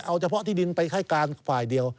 เอาเฉพาะที่ดินไปให้การฝ่ายเดียว